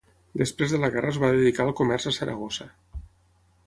Després de la guerra es va dedicar al comerç a Saragossa.